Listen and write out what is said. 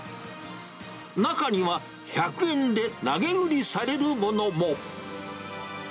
中には１００円で投げ売りされるものも。